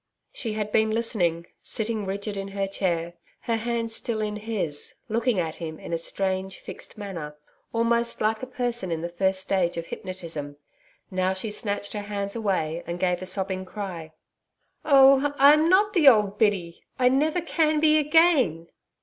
She had been listening, sitting rigid in her chair, her hands still in his, looking at him in a strange fixed manner, almost like a person in the first stage of hypnotism. Now she snatched her hands away and gave a sobbing cry. 'Oh, I'm not the old Biddy. I never can be again.'